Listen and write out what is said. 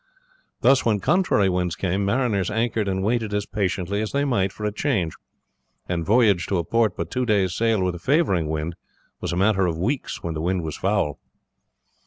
Thus when contrary winds came mariners anchored and waited as patiently as they might for a change, and voyage to a port but two days' sail with a favouring wind was a matter of weeks when it was foul.